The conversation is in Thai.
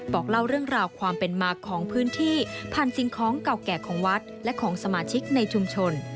บอกเล่าเรื่องราวความเป็นมาของพื้นที่ผ่านสิ่งของเก่าแก่ของวัดและของสมาชิกในชุมชน